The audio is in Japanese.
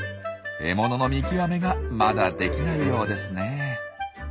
獲物の見極めがまだできないようですね。